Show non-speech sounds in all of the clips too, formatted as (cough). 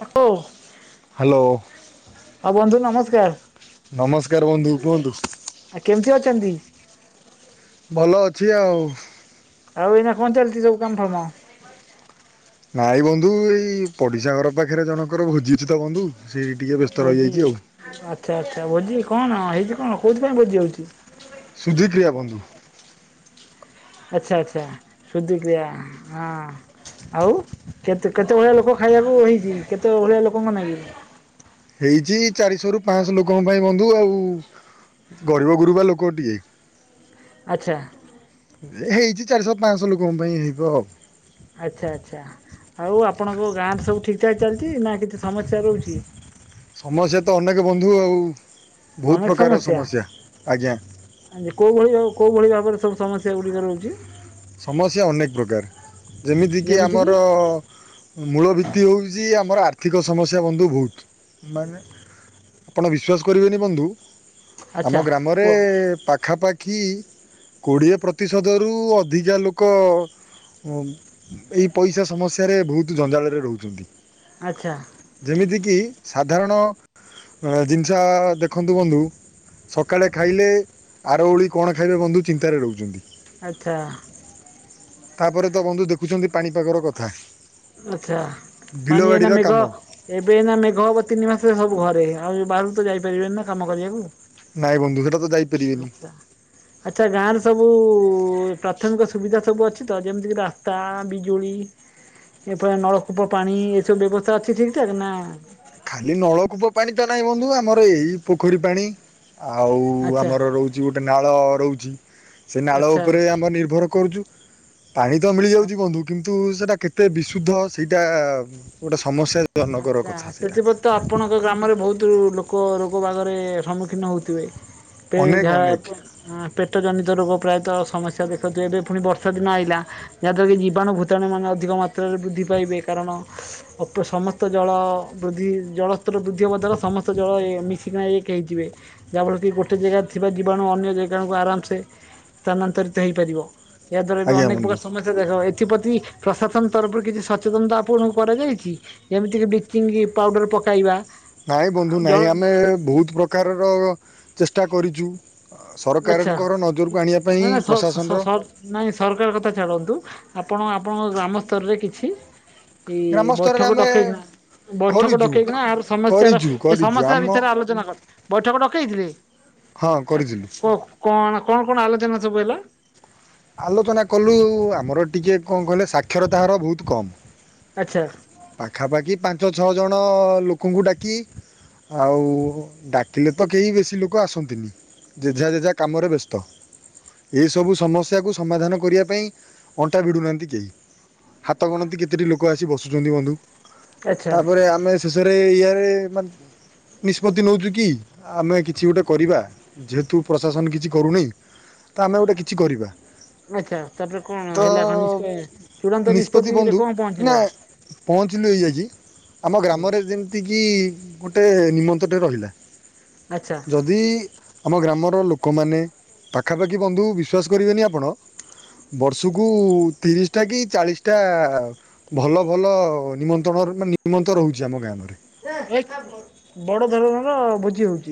ତାକୁ ହ୍ୟାଲୋ ହଁ ବନ୍ଧୁ ନମସ୍କାର, ନମସ୍କାର ବନ୍ଧୁ କୁହନ୍ତୁ। ଆ କେମିତି ଅଛନ୍ତି? ଭଲ ଅଛି ଆଉ। ଆଉ ଏଇନା କଣ ଚାଲିଛି ସବୁ କାମଫାମ? ନାଇଁ ବନ୍ଧୁ, ଏଇ ପଡିଶା ଘର ପାଖରେ ଜଣଙ୍କର ଭୋଜି ଅଛି ତ ବନ୍ଧୁ। ସେଇଠି ଟିକେ ବ୍ୟସ୍ତ ଭୋଜି, ରହିଯାଇଛି ଆଉ। ଆଚ୍ଛା ଆଚ୍ଛା ଭୋଜି, କଣ ହେଇଛି କଣ, କୋଉଥିପାଇଁ ଭୋଜି ହଉଛି? ସୁଧି କ୍ରିୟା ବନ୍ଧୁ ଆଛା ଆଚ୍ଛା, ଶୁଦ୍ଧିକ୍ରିୟା ହଁ। ଆଉ କେତେ କେତେ ଭଳି ଲୋକ ଖାଇବାକୁ ହେଇଛି, କେତେ ଭଳିଆ ଲୋକଙ୍କ ନାଗି? ହେଇଛି, ଚାରିଶହରୁ ପାଅଁଶହ ଲୋକଙ୍କ ପାଇଁ ବନ୍ଧୁ ଆଉ। ଗରିବଗୁରୁବା ଲୋକଟିଏ। ଆଚ୍ଛା। ହେଇଛି, ଚାରିଶହ ପାଅଁଶହ ଲୋକଙ୍କ ପାଇଁ ହେବ ଆଉ। ଆଛା ଆଚ୍ଛା, ଆଉ ଆପଣଙ୍କ ଗାଁଆରେ ସବୁ ଠିକଠାକ୍ ଚାଲିଛି ନା କିଛି ସମସ୍ୟା ରହୁଛି? ସମସ୍ୟା ତ ଅନେକ ବନ୍ଧୁ ଆଉ। ବହୁତ ଅନେକ ପ୍ରକାର ସମସ୍ୟା, ଆଜ୍ଞା କୋଉ ଭଳି କୋଉ ଭଳି? କୋଉ ସବୁ ସମସ୍ୟା ଗୁଡିକ ରହୁଛି? ସମସ୍ୟା ଅନେକ ପ୍ରକାର। ଯେମିତିକି ଯେମିତି କିି ଆମରଅଅ ମୂଳ ଭିତ୍ତି ହେଉଛି ଆ ଆମର ଆର୍ଥିକ ସମସ୍ୟା ବନ୍ଧୁ ବହୁତ ମାନେ ଆପଣ ବିଶ୍ୱାସ କରିବେନି ବନ୍ଧୁ ଆମ ଆଚ୍ଛା ଗ୍ରାମରେ କୁହ ପାଖାପାଖି କୋଡ଼ିଏ ପ୍ରତିଶତରୁ ଅ ଧିକା ଲୋକ ଏଇ ପଇସା ସମସ୍ୟାରେ ବହୁତ ଜଞ୍ଜାଳରେ ରହୁଛନ୍ତି। ଆଚ୍ଛା। କି ସାଧାରଣ ଜିନିଷ ଦେଖନ୍ତୁ ବନ୍ଧୁ ସକାଳେ ଖାଇଲେ ଆର ଓଳି କଣ‌ ଖାଇବେ ବନ୍ଧୁ ଚିନ୍ତାରେ ରହୁଛନ୍ତି। ଆଚ୍ଛା। ତାପରେ ତ ବନ୍ଧୁ ଦେଖୁଛନ୍ତି ପାଣିପାଗର କଥା। ଆଚ୍ଛା ପାଣି ଏଇନା ବିଲବାଡ଼ିର ମେଘ କାମ ଏବେ ଏଇନା ମେଘ ହବ ତିନି ମାସେ ସବୁ ଘରେ। ଆଉ ବାହାରକୁ ତ ଯାଇପାରିବେନି ନା କାମ କରିବାକୁ। ନାଇଁ ବନ୍ଧୁ ସେଟା ତ ଯାଇପାରିବେନି ଆଛା ଆଛା ଗାଁଆରେ ସବୁ (inaudible) ପ୍ରାଥମିକ ସୁବିଧା ସବୁ ଅଛି ତ ଯେମିତିକି ରାସ୍ତା, ବିଜୁଳି? ଏପରି ନଳକୂପ ପାଣି ଏସବୁ ବ୍ୟବସ୍ଥା ଅଛି ଠିକଠାକ୍ ନା ଖାଲି ନଳକୂପ ପାଣି ତ ନାହିଁ ବନ୍ଧୁ ଆମର ଏଇ ପୋଖରୀ ପାଣି। ଆଉ ଆଚ୍ଛା ଆମର ରହୁଛି ଗୋଟେ ନାଳ ରହୁଛି ସେ ନାଳ ଆଚ୍ଛା। ଉପରେ ଆମ ନିର୍ଭର କରୁଛୁ, ପାଣି ତ ମିଳିଯାଉଛି ବନ୍ଧୁ କିନ୍ କିନ୍ତୁ ସେଇଟା କେତେ ବିଶୁଦ୍ଧ ସେଇଟା ଗୋଟେ ସମସ୍ୟାଜନକର ଆଚ୍ଛା କଥା ସେଇଟା। ସେଥିପ୍ରତି ତ ଆପଣଙ୍କ ଗ୍ରାମରେ ବହୁତ ଲୋକ ରୋଗବାଗରେ ସମ୍ମୁଖୀନ ହେଉଥିବେ? (inaudible) ଅନେକ ଯାହା ଅନେକ ପେଟଜନିତ ରୋଗ ପ୍ରାୟତଃ ସମସ୍ (inaudible) ଦେଖନ୍ତୁ ଏବେ ପୁଣି ବର୍ଷା ଦିନ ଆଇଲା ଯାହା ଦ୍ଵାରା କି ଜୀବାଣୁ ଭୂତାଣୁ ମାନେ ଅଧିକ ମାତ୍ରାରେ ବୃଦ୍ଧି ପାଇବେ କାରଣ ଅଳ୍ପ ସମସ୍ ସମସ୍ତ ଜଳ ବୃଦ୍ଧି ଜଳସ୍ତର ବୃଦ୍ଧି ହେବା ଦ୍ୱାରା ସମସ୍ତ ଜଳ ମିଶିକିନା ଏକ ହେଇ ଯିବେ, ଯାହାଫଳରେ କି ଗୋଟେ ଜାଗାରେ ଥିବା ଜୀବାଣୁ ଅନ୍ୟ ଜାଗାକୁ ଆରାମସେ ସ୍ଥାନାନ୍ତରିତ ହେଇପାରିବ। ଏହା ଦ୍ଵାରା ବି ଆଜ୍ଞା ଅନେକ ବନ୍ଧୁ ପ୍ରକାର ସମସ୍ୟା ଦେଖା (inaudible) ଏଥିପତି ପ୍ରଶାସନ ତରଫରୁ କିଛି ସଚେତନତା ଆପଣଙ୍କୁ କରାଯାଇଛି? ଯେମିତିକି ବ୍ଲିଚିଙ୍ଗ ପାଉଡ଼ର ପକାଇବା ନାଇଁ ବନ୍ଧୁ ଜଳ ନାଇଁ, ଆମେ ବହୁତ ପ୍ରକାରର ଚେଷ୍ଟା କରିଚୁ। ଆଛା ନାଇଁ ସ ସ ପ୍ରଶାସନର ସର ନାଇଁ ସରକାର କଥା ଛାଡନ୍ତୁ ଆପ୍ ଆପଣ ଆପଣଙ୍କ ଗ୍ରାମ ସ୍ତରରେ କିଛି ଗ୍ରାମ ଇଏ ସ୍ତରରେ ବୈଠକ ଆମେ ଡକେଇକିନା ବୈଠକ କରିଛୁ ଡକେଇକିନା ଆର ସମସ୍ୟାର କରିଛୁ ଏ କରିଛୁ ସମସ୍ୟା ଆମ ବିଷୟରେ ଆଲୋଚନା କର ବୈଠକ ଡକେଇ ଥିଲେ? ହଁ କରିଥିଲୁ। କଣ କଣ କଣ ଆଲୋଚନା ସବୁ ହେଲା? ଆଲୋଚନା କଲୁ ଆମର ଟିକେ କଣ କହିଲେ ସାକ୍ଷରତା ହାର ବୋହୁତ କମ୍। ଆଛା। ପାଖାପାଖି ପାଞ୍ଚ ଛଅଜଣ ଲୋକଙ୍କୁ ଡାକି ଆଉ ଡାକିଲେ ତ କେହି ବେଶୀ ଲୋକ ଆସନ୍ତିନି। ଯେଝା ଯେଝା କାମରେ ବ୍ୟସ୍ତ। ଏସବୁ ସମସ୍ୟାକୁ ସମାଧାନ କରିବା ପାଇଁ ଅଣ୍ଟା ଭିଡ଼ୁନାହାନ୍ତି କେହି। ହାତ ଗଣତି କେତୋଟି ଲୋକ ଆସି ବସୁଚନ୍ତି ବନ୍ଧୁ, ଆଚ୍ଛା। ତାପରେ ଆମେ ଶେଷରେ ଏଇଆ ରେ ମାନ୍ ନିଷ୍ପତ୍ତି ନୋଉଚୁ କି ଆ-ଆମେ କିଛି ଗୋଟେ କରିବା ଯେହେତୁ ପ୍ରଶାସନ କିଛି କରୁନେଇ ତ ଆମେ ଗୋଟେ କିଛି କରିବା। ଆଚ୍ଛା ତାପରେ କଣ ତ ହେଲା କଣ ନିଷ୍ପେ-ଚୂଡାନ୍ତ ନିଷ୍ପତ୍ତି ନିଷ୍ପତ୍ତିରେ ବନ୍ଧୁ କଣ ନା ପହଞ୍ଚିଲ? ପହଞ୍ଚିଲୁ ହେଇଆ ଯେ ଆମ ହୁଁ ଗ୍ରାମରେ ଯେମତି କିି ଗୋଟେ ନିମନ୍ତ୍ରଟେ ରହିଲା ଆଚ୍ଛା ଯଦି ଆମ ଗ୍ରାମର ଲୋକମାନେ ପାଖାପାଖି ବନ୍ଧୁ ବିଶ୍ୱାସ କରିବେନି ଆପଣ ବର୍ଷକୁ ତିରିଶଟା କି ଚାଳିଶଟା ଭଲ ଭଲ ନିମନ୍ତ୍ରଣ ମାନେ ନିମନ୍ତ ରହୁଚି ଆମ ଗ୍ରାମରେ। ବଡ ଧରଣର ଭୋଜି ହୋଉ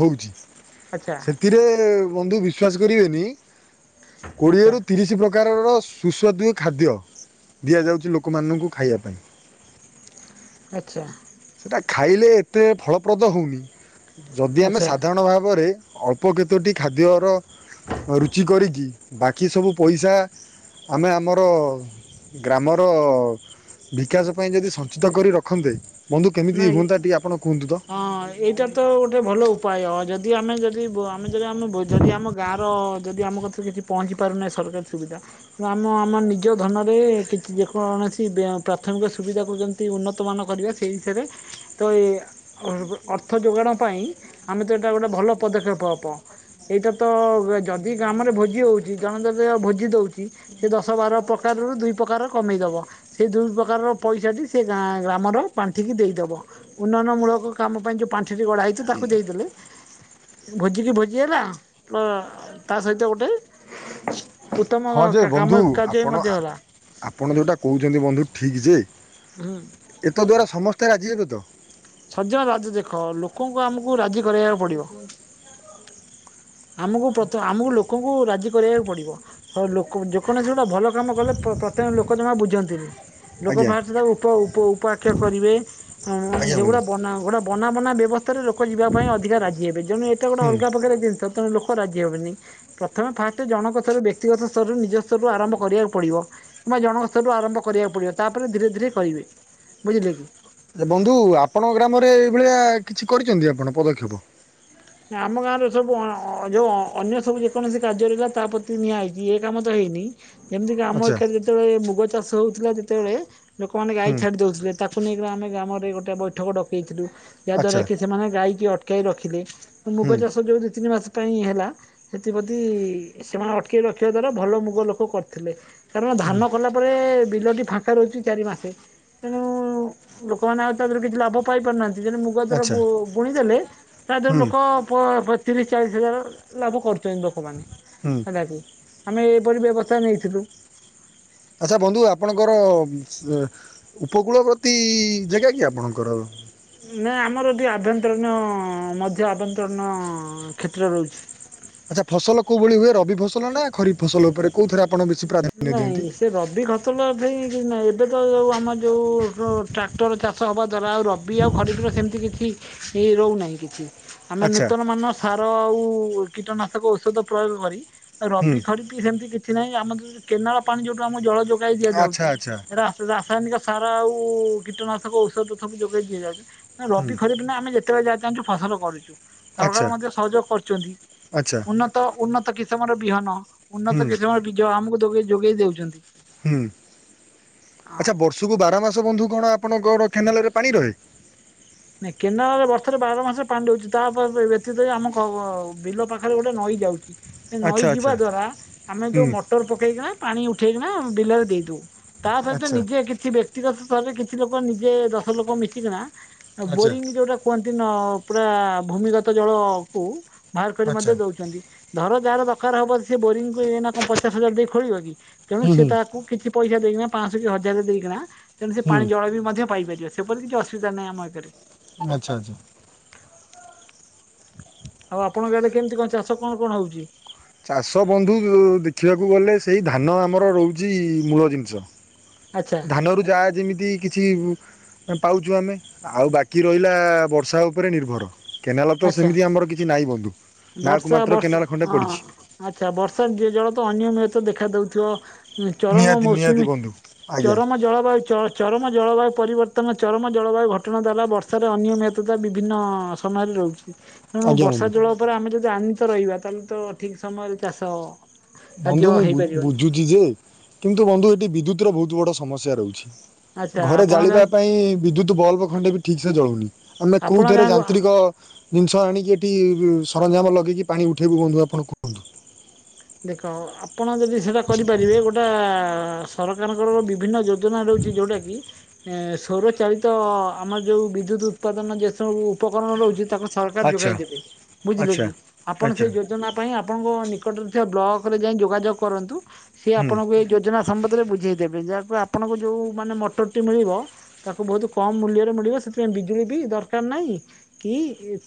ହୋଉଚି ସେଥିରେ ବନ୍ଧୁ ବିଶ୍ୱାସ କରିବେନି ଆଚ୍ଛା କୋଡିଏରୁ ତିରିଶି ପ୍ର ପ୍ରକାରର ସୁସ୍ୱାଦୁ ଖାଦ୍ୟ ଦିଆଯାଉଚି ଲୋକମାନଙ୍କୁ ଖାଇବା ପାଇଁ। । ଆଛା। ଖାଇଲେ ଏତେ ଫଳପ୍ରଦ ହୋଉନି ଯଦି ଆମେ ଆଚ୍ଛା ସାଧାରଣ ଭାବରେ ଅଳ୍ପ କେତୋଟି ଖାଦ୍ୟର ରୁଚି କରିକି ବାକି ସବୁ ପଇସା ଆମେ ଆମର ଗ୍ରାମର ବିକାଶ ପାଇଁ ଯଦି ସଞ୍ଚିତ କରି ରଖନ୍ତେ ବନ୍ଧୁ କେମିତି ନାଇଁ ହୁଅନ୍ତା ଟିକେ ଆପଣ କୁହନ୍ତୁ ତ? ହଁ ଏଇଟା ତ ଗୋଟେ ଭଲ ଉପାୟ ଯଦି ଆମେ ଯ ଯି-ବ ଆମେ ଯଦି ଆମେ ବୋ-ଯଦି ଆମ ଗାଁର ଯଦି ଆମ କଥ କିଛି ପହଞ୍ଚି ପାରୁନାହିଁ ସରକାରୀ ସୁବିଧା ଅମ ଆମ ଆମ ନିଜ ଧନରେ କିଛି ଯେକୌଣସି ବ୍ୟୟ-ପ୍ରାଥମିକ ସୁବିଧାକୁ ଯେମିତି ଉନ୍ନତମାନ କରିବା ସେଇ ବିଷୟରେ ତ ଏ ଅ-ଅର୍ଥ ଯୋଗାଡ ପାଇଁ ଆମେ ତ ଏଟା ଗୋଟେ ଭଲ ପଦକ୍ଷେପ ପ-ପ ଏଇଟା ତ ଯଦି ଗ୍ରମରେ ଭୋଜି ହୋଉଚି ଜଣେ ତ ଦେୟ ଭୋଜି ଦୋଉଚି ସେତ ଦଶ ବାର ପ୍ରକାରରୁ ଦୁଇ ପ୍ରକାର କମେଇଦବ ସେ ଦୁଇ ପ୍ରକାରର ପଇସାଟି ସେ ଗାଁ ଗ୍ରାମରେ ପାଣ୍ଠିକି ଦେଇଦବ ଉନ୍ନୟନମୂଳକ କାମ ପାଇଁ ଯେଉଁ ପାଣ୍ଠିଟି ଗଡ଼ା ହେଇଚି ତାକୁ ଦେଇଦେଲେ ଭୋଜିିକି ଭୋଜି ହେଲା ପ୍ଲ-ତା ସହିତ ଗୋଟେ ଉତ୍ତମ ହଁ ଯେ କାମ ବନ୍ଧୁ କାର୍ଯ୍ୟ ଆପଣ ମଧ୍ୟ ହେଲା ଆ-ଆପଣ ଯୋଉଟା କୋହୁଚନ୍ତି ବନ୍ଧୁ ଠିକି ଯେ ହୁଁ ଏତଦ ଦ୍ଵାରା ସମସ୍ତେ ରାଜି ହେବେ ତ? ସଜବାଜ ଦେଖ ଲୋକଙ୍କୁ ଆମକୁ ରାଜି କରେଇବାକୁ ପଡିବ। ଆମକୁ ପ୍ରଥ-ଆମକୁ ଲୋକଙ୍କୁ ରାଜି କରେଇବାକୁ ପଡିବ କା-ଲୋକ ଯେକୌଣସି ଗୋଟେ ଭଲ କାମ କଲେ ପ ପ୍ରତେକେ ଲୋକ ଜମା ବୁଝନ୍ତିନି। ଲୋକ ଆଜ୍ଞା ଫାଷ୍ଟେ ତାକୁ ଉପ-ଉପ-ଉପଆକ୍ଷ କରିବେ ଆଜ୍ଞା ବନ୍ଧୁ। ଅଁ-ଯେଗୁଡା ବନା ଗୋଟେ ବନା ବନା ବେ ଅବସ୍ଥାରେ ଲୋକ ଯିବା ପାଇଁ ଅଧିକା ରାଜି ହେବେ ଯେଣୁ ଏଟା ଗୋଟେ ହୁଁ ଅଲଗା ପ୍ରକାର ଜିନିଷ। ଲୋକ ରାଜି ହେବେନି ପ୍ରଥମେ ଫାଷ୍ଟେ ଜଣଙ୍କ ସ୍ତରୁ ବ୍ୟକ୍ତିଗତ ସ୍ତରରୁ ନିଜ ସ୍ତକୁ ଆରମ୍ଭ କରିବାକୁ ପଡିବ। କିମ୍ବା ଜଣକ ସ୍ତରରୁ ଆରମ୍ଭ କରିବାକୁ ପଡିବ ତାପରେ ଧୀରେ ଧୀରେ କରିବେ ବୁଝିଲେକି। ବନ୍ଧୁ ଆପଣଙ୍କ ଗ୍ରାମରେ ଏଇ ଭଳିଆ କିଛି କରିଛନ୍ତି ଆପଣ ପଦକ୍ଷେପ? ନା ଆମ ଗାଁରେ ସବୁ ଅଁ-ଅଁ-ଯୋଉ ଅନ୍ୟ ସବୁ ଯେକୌଣସି କାର୍ଯ୍ୟରେଗା ତା ପ୍ରତି ନିଆ ହେଇଚି ଏ କାମ ତ ହେଇନି। ଯେମିତି କି ଆମ ଆଚ୍ଛା ଏକରେ ଯେତେବେଳେ ମୁଗ ଚାଷ ହୋଉଥୁଲା ଯେତେବେଳେ ଲୋକମାନେ ଗାଈ ହୁଁ ଛାଡି ଦଉଥିଲେ ତାକୁ ନେଇକ ଆମେ ଗ୍ରାମରେ ଗୋଟେ ବୈଠକ ଡକେଇଥିଲୁ । ୟା ଦ୍ଵାରା ଆଚ୍ଛା କି ସେମାନେ ଗାଈକି ଅଟକାଇ ରଖିଲେ ହୁଁ ମୁଗ ଚାଷ ଯୋଉ ଦି ତିନି ମାସ ପାଇଁ ହେଲା ସେଥିପତି ସେମାନେ ଅଟକେଇ ରଖିବା ଦ୍ଵାରା ଭଲ ମୁଗ ଲୋକ କରିଥିଲେ । କାରଣ ହୁଁ ଧାନ କଲା ପରେ ବିଲଟି ଫାଙ୍କା ରହୁଛି ଚାରି ମାସେ ତେଣୁ ଲୋକମାନେ ଆଉ ତାଦେହରେ କିଛି ଲାଭ ପାଇପାରୁନା ଦିନ ମୁଗ ଦର ଆଚ୍ଛା ବୁ ବୁଣି ଦେଲେ ତା ଦେହରୁ ହୁଁ ଲୋକ ପୋ ତିରିଶ ଚାଳିଶ ହଜାର ଲାଭ କରୁଛନ୍ତି ଲୋକମାନେ ହୁଁ ହେଲା କି? ଆମେ ଏହିପରି ବ୍ୟବସ୍ଥା ନେଇଥିଲୁ । ଆଚ୍ଛା ବନ୍ଧୁ ଆପଣଙ୍କର ଓମ୍ ଉପକୂଳବର୍ତୀ ଯେଗା କି ଆପଣଙ୍କର? ନାଇ ଆମର ଏଠିେ ଆଭ୍ୟନ୍ତରୀଣ ମଧ୍ୟ ଆଭ୍ୟନ୍ତରୀଣ କ୍ଷେତ୍ର ରହୁଛି । ଆଚ୍ଛା ଫସଲ କୋଉ ଭଳି ହୁଏ ରବି ଫସଲ ନା ଖରିଫ ଫସଲ ଉପରେ କୋଉଥିରେ ଆପଣ ବେଶୀ ପ୍ରାଧାନ୍ୟ ଦିଅନ୍ତି? ନାଇଁ ସେ ରବି ଫସଲ (unintelligible) ଏବେ ତ ଆମ ଯେଉଁ ଟ୍ରାକ୍ଟର ଚାଷ ହେବା ଦ୍ୱାରା ଆଉ ରବି ଆଉ ଖରିବିର ସେମିତି କିଛି ଏ ରହୁନାହିଁ କିଛି ଆମେ ଆଚ୍ଛା ନୂତନ ମାନ ସାର ଆଉ କୀଟନାଶକ ଔଷଧ ପ୍ରୟୋଗ କରି ହୁଁ ରବି ଖରପି ସେମିତି କିଛି ନାହିଁ ଆମ (unintelligible) ଯୋଉ କେନାଳ ପାଣି ଯୋଉଠୁ ଆମ ଜଳ ଯୋଗ (unintelligible) ଆଚ୍ଛା ଦିଆଯାଉଛି ଆଚ୍ଛା ରାସ୍ ରାସ୍ ରାସାୟନିକ ସାର ଆଉ କୀଟନାଶକ ଔଷଧ ସବୁ ଯୋଗେଇ ଦିଆଯାଉଛି ନା ହୁଁ ରବି ଖରିବ ନା ଆମେ ଯା ଚାହୁଛୁ ଫସଲ କରୁଛୁ ସରକାର ଆଚ୍ଛା ମଧ୍ୟ ସହଯୋଗ କରୁଛନ୍ତି ଆଚ୍ଛା ଉନ୍ନତ ଉ ତ କିସମର ବିହନ ହୁଁ ଉନ୍ନତ କିମର ବିଜୟ ଆମକୁ ଯୋଗେଇ ଦଉଛନ୍ତି। ହୁଁ ଆଚ୍ଛା ବର୍ଷକୁ ବାର ମାସ ବନ୍ଧୁ କଣ ଆପଣଙ୍କ କେନାଲ ରେ ପାଣି ରହେ? ନ କେନାଳରେ ବର୍ଷରେ ବାର ମାସରେ ପାଣି ଦଉଛି ତାପ ବ୍ୟତୀତରେ ଆମ ବିଲ ପାଖରେ ଗୋଟେ ନଈ ଯାଉଛି। ଆଚ୍ଛା ନଈ ଆଚ୍ଛା ଯିବା ଦ୍ଵାରା ଆମେ ଯୋଉ ହୁଁ ମଟର ପକେଇକିନା ପାଣି ଉଠେଇକିନାମେ ବିଲରେ ଦେଇଦଉ। ତା ସହିତ ଆଚ୍ଛା ନିଜେ କିଛି ବ୍ୟକ୍ତିଗତ ସ୍ତରରେ କିଛି ଲୋକ ନିଜେ ଦଶ ଲୋକ ମିଶିକିନା ଆଚ୍ଛା ବୋରିଂ ଯୋଉଟା କୁହନ୍ତି ନ ପୁରା ଭୂମିଗତ ଜଳ କୁ ବାହାର କରି ଆଚ୍ଛା ମଧ୍ୟ ଦେଉଛନ୍ତି ଧର ଯାହାର ଦରକାର ହବ ସ ବୋରିଙ୍ଗକୁ ନା କଣ ପଚାଶ ହଜାର ଦେଇ ଖୋଳିବ କି? ତେଣୁ ହୁଁ ସେ ହୁଁ ତାକୁ କିଛି ପଇସା ଦେଇକିନା ପାଞ୍ଚଶ କି ହଜାରରେ ଦେଇକିନା ତେଣୁ ସେ ହୁଁ ପାଣି ଜଳ ବି ମଧ୍ୟ ପାଇପାରିବ। ସେପରି କିଛି ଅସୁବିଧା ନାହିଁ ଆମ ଏକରେ ଆଚ୍ଛା ଆଚ୍ଛା। ଆଉ ଆପଣଙ୍କ ଆଡେ କେମିତି କଣ ଚାଷ କଣ କଣ ହଉଛି? ଚାଷ ବନ୍ଧୁ ଦେଖିବାକୁ ଗଲେ ସେଇ ଧାନ ଆମର ରହୁଛି ମୂଳ ଜିନିଷ ଆଚ୍ଛା ଧାନ ରୁ ଯାହା ଯେମିତି କିଛି ପାଉଛୁ ଆମେ ଆଉ ବାକି ରହିଲା ବର୍ଷା ଉପରେ ନିର୍ଭର। କେନାଲ ତ ଆଚ୍ଛା ସେମିତି ଆମର କିଛି ନାହିଁ ବନ୍ଧୁ। ନାଁକୁ ବର୍ଷା ମାତ୍ର ବର୍ଷା କେନାଲ ଖଣ୍ଡେ ହଁ ପଡ଼ିଛି ଆଚ୍ଛା ବର୍ଷା ଜଳ ତ ଅନିୟମିତ ତ ଦେଖା ଦଉଥିବ ଚରମ ନିହାତି ନିହାତି ମୌସୁମୀ ବନ୍ଧୁ ଆଜ୍ଞା ଚରମ ଜଳବାୟୁ ଚ ଚରମ ଜଳବାୟୁ ପରିବର୍ତ୍ତନ ଚରମ ଜଳବାୟୁ ଘଟଣା ଦ୍ୱାରା ବର୍ଷାରେ ଅନିୟମିତତା ବିଭିନ୍ନ ସମୟରେ ରହୁଛି। ତେଣୁ ଆଜ୍ଞା ବର୍ଷା ବନ୍ଧୁ ଜଳ ଜାଣି ତ ରହିବା ତାହେଲେ ତ ଠିକ ସମୟରେ ଚାଷ ହବ। ବନ୍ଧୁ ମୁଁ ବୁଝୁଛି ଯେ କିନ୍ତୁ ବନ୍ଧୁ ଏଠି ବିଦ୍ୟୁତ ର ବହୁତ ବଡ ସମସ୍ୟା ଆଚ୍ଛା ରହୁଛି। ଘରେ ଆପଣ ଗାଁ ଜାଳିବା ପାଇଁ ବିଦ୍ୟୁତ ବଲବ ଖଣ୍ଡେ ବି ଠିକ ସେ ଜଳଉନି ଆମେ ଆପଣ କୋଉଥରେ ଗାଁକୁ ଯାନ୍ତ୍ରିକ ଜିନିଷ ଆଣିକି ଏଠି ସରଞ୍ଜାମ ଲଗେଇକି ପାଣି ଉଠାଇବୁ ବନ୍ଧୁ ଆପଣ କୁହନ୍ତୁ। ଦେଖ ଆପଣ ଯଦି ସେଟା କରିପାରିବେ ଗୋଟେ ସରକାରଙ୍କର ବିଭିନ୍ନ ଯୋ ଯୋଜନା ରହୁଛି ଯୋଉଟା କି ଏ ସୌର ଚାଳିତ ଆମର ଯୋଉ ବିଦ୍ୟୁତ ଉତ୍ପାଦନ ଯେ ସବୁ ଉପକରଣ ରହୁଛି ତାଙ୍କ ସରକାର ଆଚ୍ଛା ଯୋଗାଇ ଦେବେ ବୁଝିଲେ ଆଚ୍ଛା କି ଆପଣ ସେ ଆଚ୍ଛା ଯୋଜନା ପାଇଁ ଆପଣଙ୍କ ନିକଟରେ ବ୍ଲକ ରେ ଯାଇ ଯୋଗାଯ କରନ୍ତୁ ସିଏ ହୁଁ ଆପଣଙ୍କୁ ଯୋଜନା ସମ୍ପଦରେ ବୁଝାଇଦେବେ ଯାହାକୁ ଆପଣଙ୍କୁ ଯେଉଁ ମାନେ ମଟରଟି ମିଳିବ ତାକୁ ବହୁତ କମ୍ ମୂଲ୍ୟରେ ମିଳିବ। ସେଥିପ ବିଜୁଳି ବି ଦରକାର ନାହିଁ କି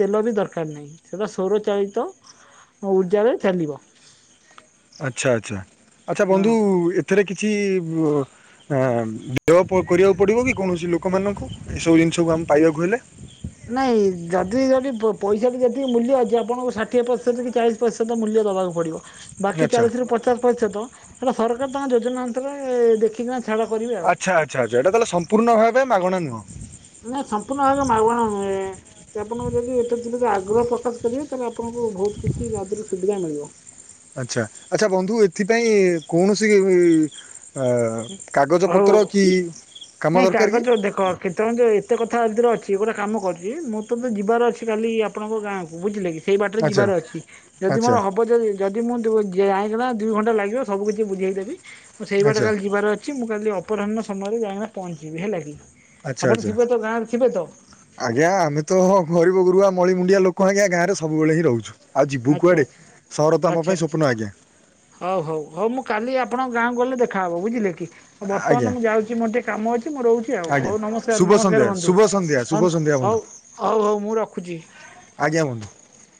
ତେଲ ବି ଦରକାର ନାହିଁ ସେଟା ସୌର ଚାଳିତ ଉର୍ଜାରେ ଚାଲିବ। ଆଛା ଆଚ୍ଛା ଆଚ୍ଛା ହଁ ବନ୍ଧୁ ଏଥିରେ କିଛି ହ ଦେୟ କରିବାକୁ ପଡିବ କି କୌଣସି ଲୋକମାନଙ୍କୁ ଏସବୁ ଜିନିଷକୁ ଆମେ ପାଇବାକୁ ହେଲେ? ନାଇଁ ଯଦି ଯଦି ପ ପଇସାଟି ଏତିକି ମୂଲ୍ୟ ଅଛି ଆପଣଙ୍କୁ ଷାଠିଏ ପର୍ସେଣ୍ଟ କି ଚାଳିଶ ପର୍ସେଣ୍ଟର ମୂଲ୍ୟ ଦବାକୁ ପଡିବ। ବାକି ଆଚ୍ଛା ଚାଳିଶ ରୁ ପଚାଶ ପରିଶତ ହେଟା ସରକାର ତାଙ୍କ ଯୋଜନା ଅନୁସାରେ ଦେଖିକିନା ଛାଡ଼ କରିବେ ଆଉ। ଆଚ୍ଛା ଆଛ ଆଛା ଏଟା ତାହାଲେ ସମ୍ପୂର୍ଣ ଭାବେ ମାଗଣା ନୁହଁ। ନା ସମ୍ପୂଣ୍ଣ ଭାବେ ମାଗଣା ନୁହେଁ ଆପଣ ଯଦି ଏଥେ ଦ ପ୍ରତି ଆଗ୍ରହ ପ୍ରକାଶ କରିବେ ତାହେଲେ ଆପଣଙ୍କୁ ବହୁତ କିଛି ଆଦିହରୁ ସୁବିଧା ମିଳିବ। ଆଛା ଆଚ୍ଛା ବନ୍ଧୁ ଏଥିପାଇଁ କୌଣସି ଆଉ କାଗଜପତ୍ର କି କାମ ଦରକାର କି? ତେ କଥା ଆ ଭିତରେ ଅଛି ଗୋଟେ କାମ କରୁଛି। ମୁଁ ତେ ଯିବାର ଅଛି କାଲି ଆପଣଙ୍କ ଗାଁକୁ ବୁଝିଲେ କି ସେଇ ବାଟରେ ଆଚ୍ଛା ଯିବାର ଅଛି। ଯଦି ମୋର ଆଚ୍ଛା ହବ ଯ ଯଦି ମୁଁ ଯାଇଁକିନା ଦୁଇ ଘଣ୍ଟା ଲାଗିବ ସବୁ କିଛି ବୁଝେଇଦେବି ମୁ ସେଇ ବାଟେ ଆଚ୍ଛା କାଲି ଯିବାର ଅଛି ମୁଁ କାଲି ଅପରାହ୍ଣ ସମୟରେ ଯାଇକିନା ପହଞ୍ଚିବି ହେଲା କି? ଆଛା ଆପଣ ଆଛା ଥିବେ ତ ଗାଁରେ ଥିବେ ତ ଆଜ୍ଞା ଆମେ ତ ହଉ ଗରିବ ଗୁରୁବା ମଳି ମୁଣ୍ଡିଆ ଲୋକ ଆଜ୍ଞା ଗାଁରେ ସବୁବେଳେ ହିଁ ରହୁଚୁ। ଆଚ୍ଛା ଆଛା ଆଚ୍ଛା ଆଚ୍ଛା ସ୍ୱପ୍ନ ଆଜ୍ଞା ହଉ ହଉ ହଉ ମୁଁ କାଲି ଆପଣଙ୍କ ଗାଁକୁ ଗଲେ ଦେଖାହବ ବୁଝିଲେ କି? ଆଉ ଆଜ୍ଞା ବର୍ତ୍ତମାନ ମୁଁ ଯାଉଛି ମୋର ଟିକେ କାମ ଅଛି। ମୁଁ ରହୁଛି ଆଉ ଆଜ୍ଞା ହଉ ନମସକାର ଶୁଭ ସନ୍ଧ୍ୟା ନମସ୍କାର ବନ୍ଧୁ ଶୁଭ ସନ୍ଧ୍ୟା ହ। ଶୁଭ ସନ୍ଧ୍ୟା ବନ୍ଧୁ ହୋଉ ହୋଉ ହୋଉ ମୁଁ ରଖୁଛି। ଆଜ୍ଞା ବନ୍ଧୁ।